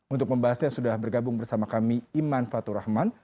untuk membahasnya sudah bergabung bersama kami iman fatur rahman